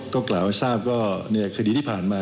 ก็กล่าวให้ทราบว่าคดีที่ผ่านมา